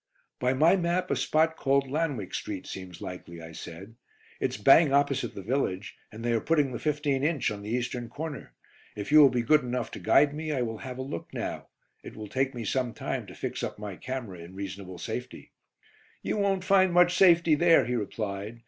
"By my map, a spot called 'Lanwick Street' seems likely," I said. "It's bang opposite the village, and they are putting the 15 inch on the eastern corner. If you will be good enough to guide me, I will have a look now; it will take me some time to fix up my camera in reasonable safety." "You won't find much safety there," he replied.